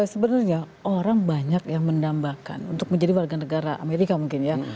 sebenarnya orang banyak yang mendambakan untuk menjadi warga negara amerika mungkin ya